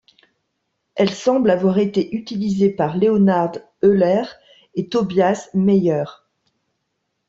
Elle semble avoir été utilisée par Leonhard Euler et Tobias Mayer.